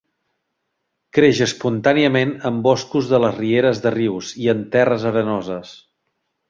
Creix espontàniament en boscos de les rieres de rius i en terres arenoses.